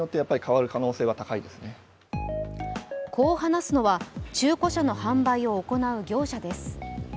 こう話すのは中古車の販売を行う業者です。